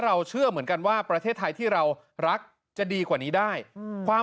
เชื่อเหมือนกันว่าประเทศไทยที่เรารักจะดีกว่านี้ได้ความ